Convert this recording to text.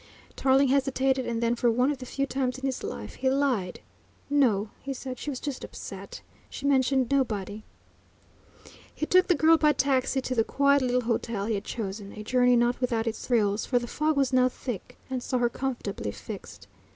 Tarling hesitated, and then, for one of the few times in his life, he lied. "No," he said, "she was just upset ... she mentioned nobody." He took the girl by taxi to the quiet little hotel he had chosen a journey not without its thrills, for the fog was now thick and saw her comfortably fixed.